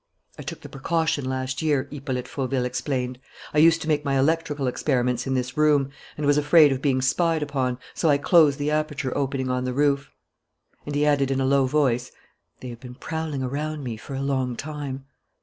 "I took the precaution last year," Hippolyte Fauville explained. "I used to make my electrical experiments in this room and was afraid of being spied upon, so I closed the aperture opening on the roof." And he added in a low voice: "They have been prowling around me for a long time."